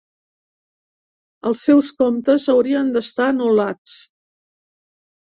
Els seus comptes haurien d'estar anul·lats.